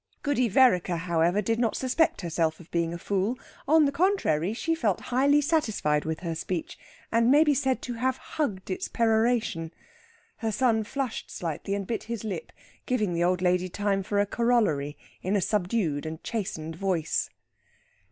Goody Vereker, however, did not suspect herself of being a fool. On the contrary, she felt highly satisfied with her speech, and may be said to have hugged its peroration. Her son flushed slightly and bit his lip, giving the old lady time for a corollary in a subdued and chastened voice.